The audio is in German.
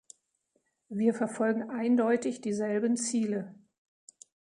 Wir verfolgen eindeutig dieselben Ziele.